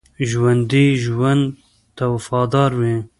ژوندي ژوند ته وفادار وي